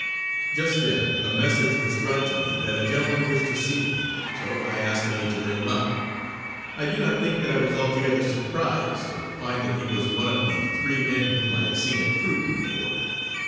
Just then a message was brought to me that a gentleman wished to see me, so I asked the maid to bring him up. I do not think that I was altogether surprised to find that he was one of the three men whom I had seen at Cruden before.